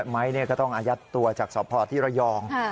ไม้ก็ต้องอายัดตัวจากสพที่ระยอง